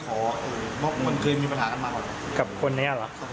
เพราะเคยมีปัญหากันมาก่อนกับคนนี้หรอ